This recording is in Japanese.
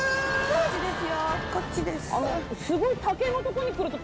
こっちです。